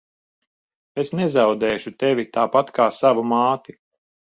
Es nezaudēšu tevi tāpat kā savu māti.